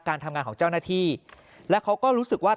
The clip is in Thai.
การทำงานของเจ้าหน้าที่แล้วเขาก็รู้สึกว่า